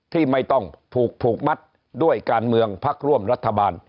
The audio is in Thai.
ที่ไม่ต้องผูกผูกมัดด้วยการเมืองพักร่วมรัฐบาล